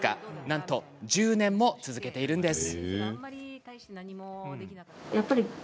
なんと、１０年も続けているんです。